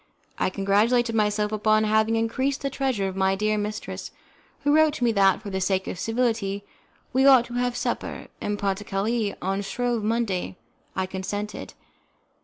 I congratulated myself upon having increased the treasure of my dear mistress, who wrote to me that, for the sake of civility, we ought to have a supper 'en partie carree' on Shrove Monday. I consented.